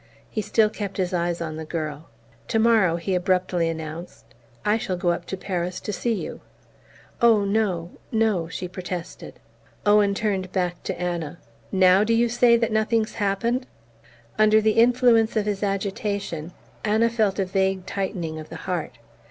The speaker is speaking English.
He still kept his eyes on the girl. "Tomorrow," he abruptly announced, "I shall go up to Paris to see you." "Oh, no no!" she protested. Owen turned back to Anna. "NOW do you say that nothing's happened?" Under the influence of his agitation Anna felt a vague tightening of the heart.